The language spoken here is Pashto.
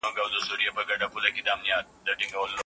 هيڅ مخلوق د انسان په کچه واک نه لري.